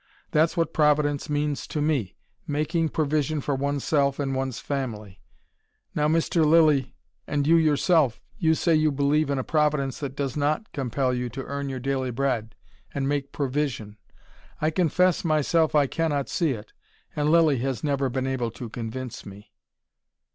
That's what Providence means to me making provision for oneself and one's family. Now, Mr. Lilly and you yourself you say you believe in a Providence that does NOT compel you to earn your daily bread, and make provision. I confess myself I cannot see it: and Lilly has never been able to convince me."